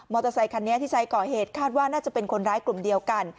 เตอร์ไซคันนี้ที่ใช้ก่อเหตุคาดว่าน่าจะเป็นคนร้ายกลุ่มเดียวกัน